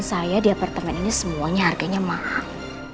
saya di apartemen ini semuanya harganya mahal